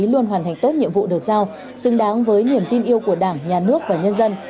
luôn hoàn thành tốt nhiệm vụ được giao xứng đáng với niềm tin yêu của đảng nhà nước và nhân dân